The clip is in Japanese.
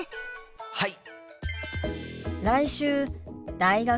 はい！